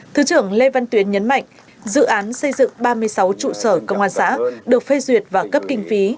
thứ trưởng lê văn tuyến nhấn mạnh dự án xây dựng ba mươi sáu trụ sở công an xã được phê duyệt và cấp kinh phí